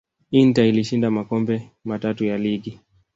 inter ilishinda makombe matatu ya ligi